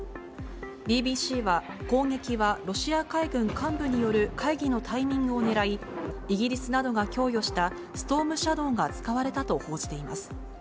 ＢＢＣは、攻撃はロシア海軍幹部による会議のタイミングを狙い、イギリスなどが供与したストーム・シャドウが使われたと報じています。